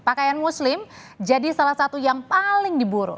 pakaian muslim jadi salah satu yang paling diburu